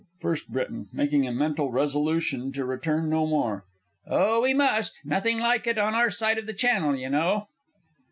FIRST B. (making a mental resolution to return no more). Oh, we must; nothing like it on our side of the Channel, y' know.